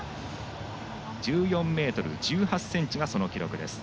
１４ｍ１８ｃｍがその記録です。